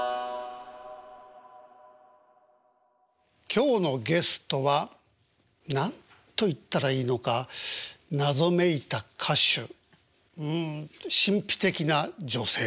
今日のゲストは何と言ったらいいのか謎めいた歌手うん神秘的な女性。